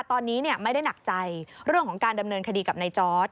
ตอนนี้ไม่ได้หนักใจเรื่องของการดำเนินคดีกับนายจอร์ด